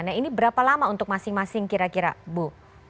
nah ini berapa lama untuk masing masing kira kira bu